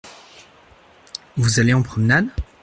Vous allez en promenade ?